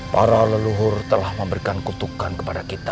para leluhur telah memberikan kutukan kepada kita